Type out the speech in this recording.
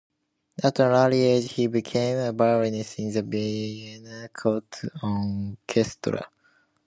At an early age he became a violinist in the Vienna court orchestra.